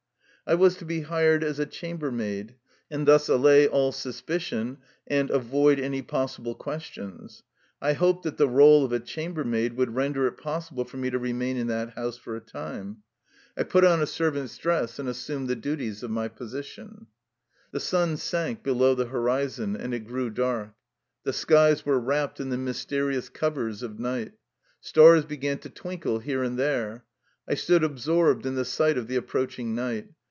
I was to be hired as a chambermaid, and thus allay all suspicion and avoid any possi ble questions. I hoped that the role of a chamber maid would render it possible for me to remain in that house for a time. I put on a servant's 210 THE LIFE STORY OF A EUSSIAN EXILE dress and assumed the duties of my position. The sun sank below the horizon, and it grew dark. The skies were wrapped in the mysterious covers of night. Stars began to twinkle here and there. I stood absorbed in the sight of the approaching night.